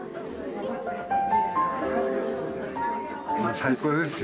最高ですよ。